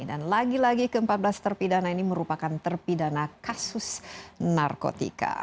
dan lagi lagi ke empat belas terpidana ini merupakan terpidana kasus narkotika